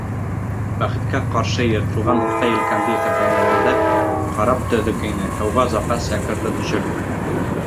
Бәхеткә ҡаршы, йыртылған урта елкәнде иҫәпләмәгәндә, карап төҙөк ине. һыуға запас якорҙы төшөрҙөк.